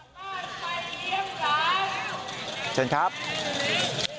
ต้องหักปากกับได้เมียคุณพุทธ